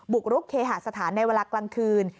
กรุกเคหาสถานในเวลากลางคืน